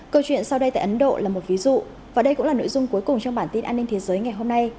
câu chuyện sau đây tại ấn độ là một ví dụ và đây cũng là nội dung cuối cùng trong bản tin an ninh thế giới ngày hôm nay